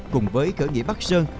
cùng với khởi nghĩa bắc sơn